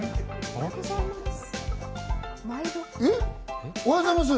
おはようございます。